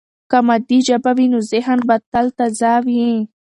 که مادي ژبه وي، نو ذهن به تل تازه وي.